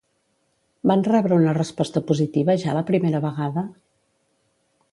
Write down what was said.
Van rebre una resposta positiva ja la primera vegada?